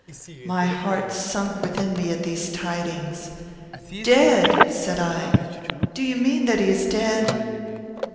My heart sunk within me at these tidings. "Dead!" said I; "do you mean that he is dead?"